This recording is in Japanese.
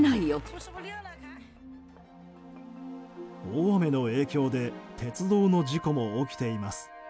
大雨の影響で鉄道の事故も起きています。